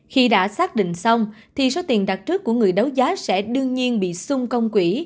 khi đã xác định xong thì số tiền đặt trước của người đấu giá sẽ đương nhiên bị xung công quỹ